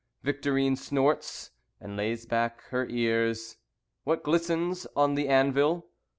Victorine snorts and lays back her ears. What glistens on the anvil?